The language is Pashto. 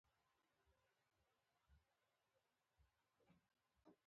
هغوی د غروب په خوا کې تیرو یادونو خبرې کړې.